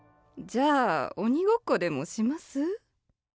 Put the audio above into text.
じゃあ鬼ごっこでもします？